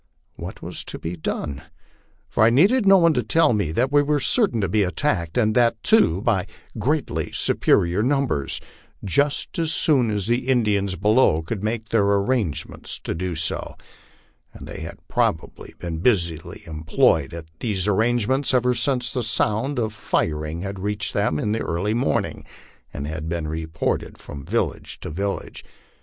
What was to be done? for I needed no one to tell me that we were certain to l>e attacked, and that, too, by greatly superior numbers, just as soon as the In dians below could make their arrangements to do so ; and they had probably been busily employed at these arrangements ever since the sound of firing had reached them in the early morning, and been reported from village to vil lage.